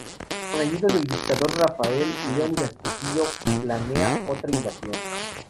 Con ayuda del dictador Rafael Leónidas Trujillo planea otra invasión.